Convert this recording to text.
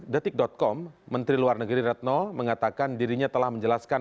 detik com menteri luar negeri retno mengatakan dirinya telah menjelaskan